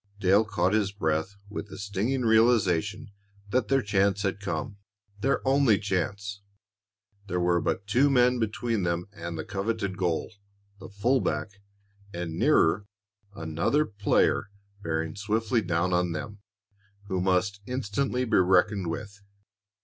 Dale caught his breath with the stinging realization that their chance had come their only chance! There were but two men between them and the coveted goal, the full back, and nearer, another player bearing swiftly down on them, who must instantly be reckoned with.